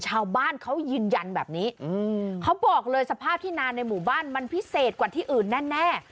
ชาวบ้านเขายืนยันแบบนี้เขาบอกเลยสภาพที่นานในหมู่บ้านมันพิเศษกว่าที่อื่นแน่